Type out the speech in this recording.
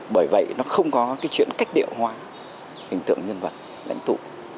bởi vậy nó không có cái chuyện cách điệu hóa hình tượng nhân vật lãnh tụ